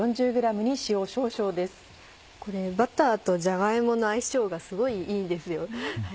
バターとじゃが芋の相性がすごいいいんですよ。